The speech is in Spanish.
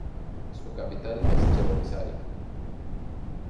Su capital es Cheboksary.